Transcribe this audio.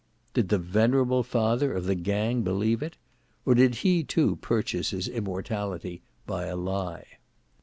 Did the venerable father of the gang believe it? Or did he too purchase his immortality by a lie?